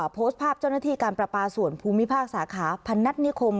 โพสต์ภาพเจ้าหน้าที่การประปาส่วนภูมิภาคสาขาพนัฐนิคม